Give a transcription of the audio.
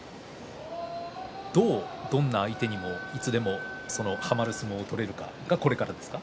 どんな相手にもはまる相撲が取れるかはこれからですか。